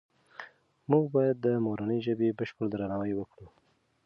موږ باید د مورنۍ ژبې بشپړ درناوی وکړو.